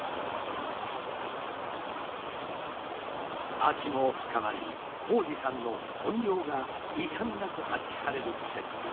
秋も深まり紘二さんの本領が遺憾なく発揮される季節になりました。